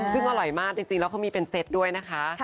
ซึ่งอร่อยมากจริงแล้วเขามีเป็นเซ็ตด้วยนะคะ